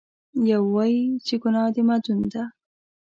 یو وایي چې ګناه د مدون ده.